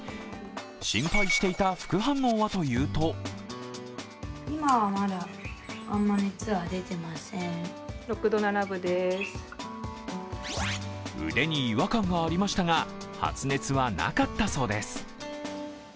心配していた副反応はというと腕に違和感がありましたが、発熱はなかったそうです。